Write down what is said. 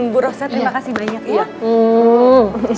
bu rose terima kasih banyak ya